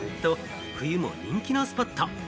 冬も人気のスポット。